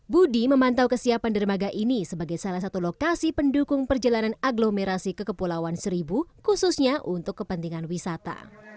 budi memantau kesiapan dermaga ini sebagai salah satu lokasi pendukung perjalanan aglomerasi ke kepulauan seribu khususnya untuk kepentingan wisata